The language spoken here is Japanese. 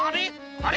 あれ？